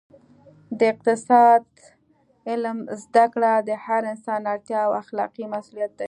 د اقتصاد علم زده کړه د هر انسان اړتیا او اخلاقي مسوولیت دی